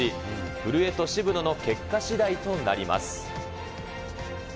古江と渋野の結果しだいとなります。